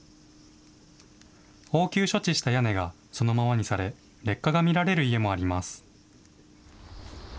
応急処置した屋根がそのままにされ、劣化が見られる家もあります。